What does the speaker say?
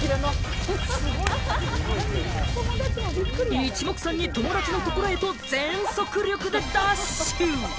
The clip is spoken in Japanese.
一目散に友達のところへと全速力でダッシュ！